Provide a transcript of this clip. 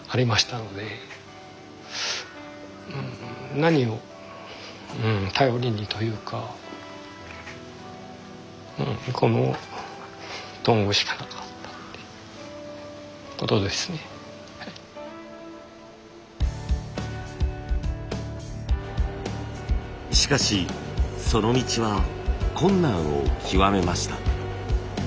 何を頼りにというかしかしその道は困難を極めました。